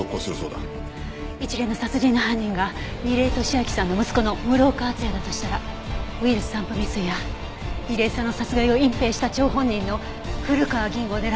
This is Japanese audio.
一連の殺人の犯人が楡井敏秋さんの息子の室岡厚也だとしたらウイルス散布未遂や楡井さんの殺害を隠蔽した張本人の古河議員を狙う可能性が高いはず。